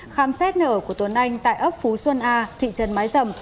khám xét nở của tuấn anh tại ấp phú xuân a thị trấn mái dầm